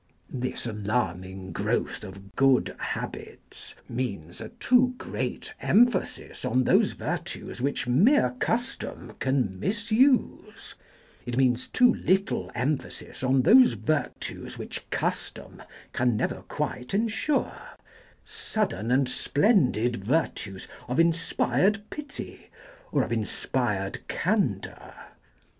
This alarming growth of good habits really means a too great emphasis on those virtues which mere custom can misuse, it means too little emphasis on those virtues which custom can never quite ensure, sudden and splendid virtues of inspired pity or of in spired candour.